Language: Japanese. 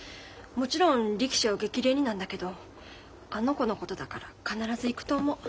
もちろん力士の激励になんだけどあの子のことだから必ず行くと思う。